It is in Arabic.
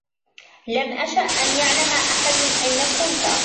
لم أشأ أن يعلم أحدا أين كنت.